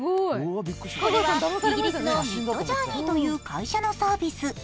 これはイギリスのミッドジャーニーという会社のサービス。